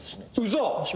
嘘！？